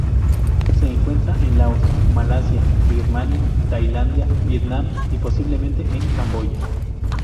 Se encuentra en Laos, Malasia, Birmania, Tailandia, Vietnam y, posiblemente en Camboya.